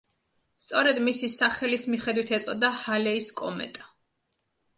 სწორედ მისი სახელის მიხედვით ეწოდა ჰალეის კომეტა.